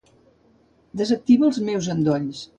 Desactiva els meus endolls.